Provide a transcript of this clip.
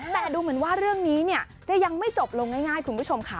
แต่ดูเหมือนว่าเรื่องนี้เนี่ยจะยังไม่จบลงง่ายคุณผู้ชมค่ะ